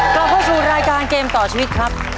กลับเข้าสู่รายการเกมต่อชีวิตครับ